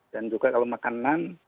dan juga kalau makanan